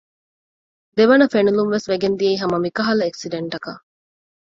ދެވަނަ ފެނިލުންވެސް ވެގެން ދިޔައީ ހަމަ މިކަހަލަ އެކްސިޑެންޓަކަށް